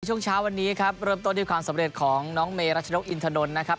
ช่วงเช้าวันนี้ครับเริ่มต้นที่ความสำเร็จของน้องเมรัชนกอินทนนท์นะครับ